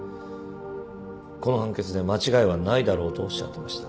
この判決で間違いはないだろうとおっしゃってました。